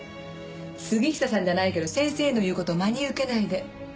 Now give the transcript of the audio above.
杉下さんじゃないけど先生の言う事を真に受けないで。